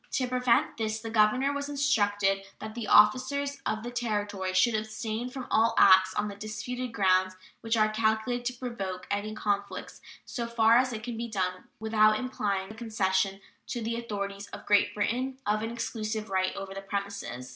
To prevent this the governor was instructed "that the officers of the Territory should abstain from all acts on the disputed grounds which are calculated to provoke any conflicts, so far as it can be done without implying the concession to the authorities of Great Britain of an exclusive right over the premises.